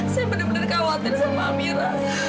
saya benar benar khawatir sama amira